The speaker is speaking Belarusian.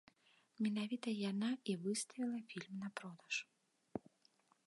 Менавіта яна і выставіла фільм на продаж.